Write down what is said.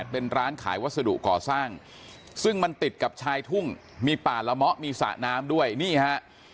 เป็นร้านขายวัสดุก่อสร้างซึ่งมันติดกับชายทุ่งมีป่าละเมาะมีสระน้ำด้วยนี่ฮะ